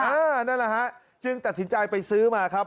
นั่นแหละฮะจึงตัดสินใจไปซื้อมาครับ